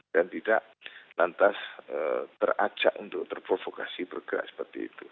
dan tidak lantas berajak untuk terprovokasi bergerak seperti itu